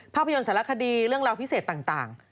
ภาพยนตร์สารคดีเรื่องราวพิเศษต่าง